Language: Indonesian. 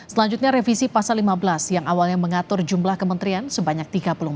selanjutnya revisi pasal lima belas yang awalnya mengatur jumlah kementerian sebanyak tiga puluh empat